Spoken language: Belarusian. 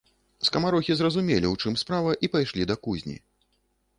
Скамарохі зразумелі, у чым справа, і пайшлі да кузні.